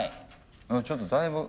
ちょっとだいぶ。